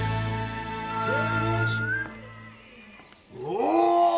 お！